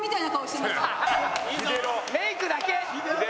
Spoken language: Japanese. メイクだけ！